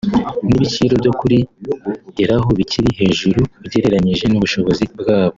n’ibiciro byo kurigeraho bikiri hejuru ugereranyije n’ubushobozi bwabo